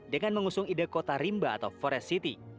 dengan mengusung ide kota rimba atau forest city